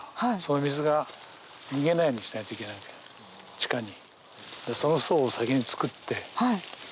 地下に。